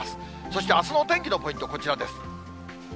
そしてあすのお天気のポイント、こちらです。